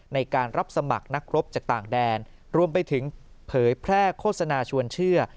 ในการรับสมัครนักรบจากต่างแดนรวมไปถึงเผยแพร่โฆษณาชวนเชื่อ